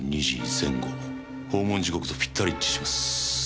訪問時刻とぴったり一致します。